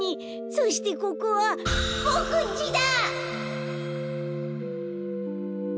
そしてここはボクんちだ！